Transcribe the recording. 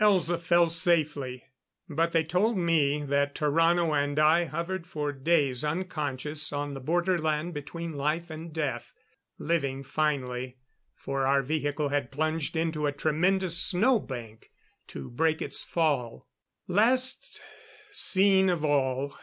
Elza fell safely. But they told me that Tarrano and I hovered for days unconscious on the borderland between life and death, living finally, for our vehicle had plunged into a tremendous snow bank, to break its fall. Last scene of all